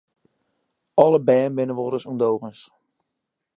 Alle bern binne wolris ûndogens.